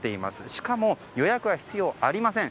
しかも、予約は必要ありません。